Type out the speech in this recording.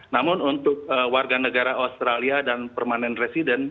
namun untuk warga negara australia dan permanent resident